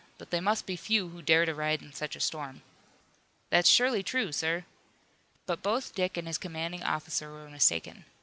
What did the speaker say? But they must be few who dare to ride in such a storm." "That's surely true, sir." But both Dick and his commanding officer were mistaken.